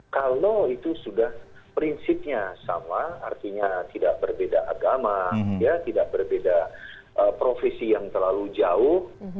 kalau itu sudah prinsipnya sama artinya tidak berbeda agama tidak berbeda profesi yang terlalu jauh